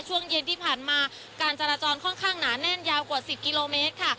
ช่วงเย็นที่ผ่านมาการจราจรค่อนข้างหนาแน่นยาวกว่า๑๐กิโลเมตรค่ะ